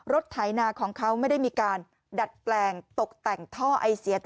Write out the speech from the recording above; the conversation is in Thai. ไถนาของเขาไม่ได้มีการดัดแปลงตกแต่งท่อไอเสีย